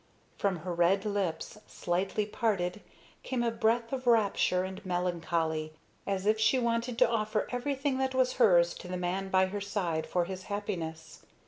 From her red lips, slightly parted, came a breath of rapture and melancholy, as if she wanted to offer everything that was hers to the man by her side for his happiness.